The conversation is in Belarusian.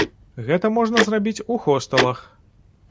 Гэта можна зрабіць у хостэлах.